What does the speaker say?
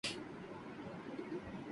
سندھ میں کیوں نہیں؟